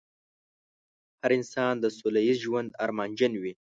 هر انسان د سوله ييز ژوند ارمانجن وي.